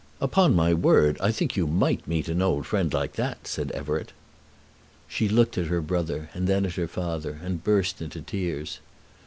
"Upon my word, I think you might meet an old friend like that," said Everett. She looked at her brother, and then at her father, and burst into tears.